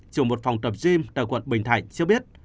chủ một phòng tập gym tại quận bình thạnh cho biết